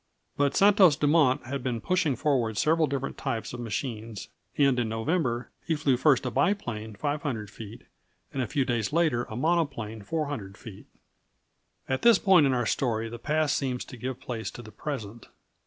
But Santos Dumont had been pushing forward several different types of machines, and in November he flew first a biplane 500 feet, and a few days later a monoplane 400 feet. At this point in our story the past seems to give place to the present.